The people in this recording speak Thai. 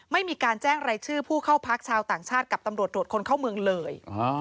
ไม่มีการแจ้งรายชื่อผู้เข้าพักชาวต่างชาติกับตำรวจตรวจคนเข้าเมืองเลย